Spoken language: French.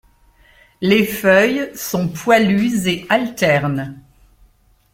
Les feuilles sont poilues et alternes.